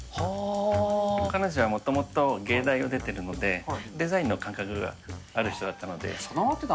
彼女はもともと藝大を出てるので、デザインの感覚がある人だったので。